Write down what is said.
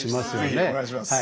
是非お願いします。